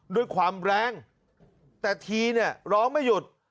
ด้วยความแรงแต่ทีเนี่ยร้องไม่หยุด